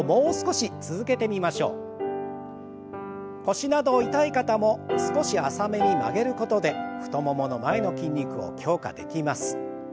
腰など痛い方も少し浅めに曲げることで太ももの前の筋肉を強化できます。